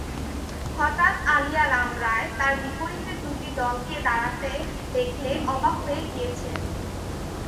হঠাৎ আলিয়া রাম রায় তার বিপরীতে দুটি দলকে দাঁড়াতে দেখলে অবাক হয়ে গিয়েছিলেন।